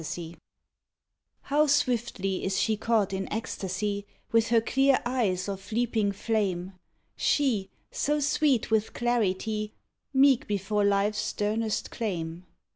XI How swiftly is she caught in ecstasy, With her clear eyes of leaping flame; She, so sweet with clarity, Meek before life's sternest claim.